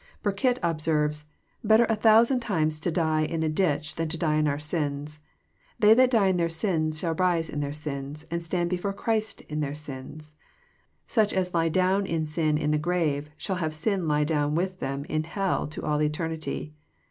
Burkitt observes, <* Better a thousand times to die In a ditch than to die in our sinsl They that die in their sins shall rise in their sins, and stand before Christ in their sins. Such as lie down in sin in the grave shall have sin lie down with them in hell to all eternity.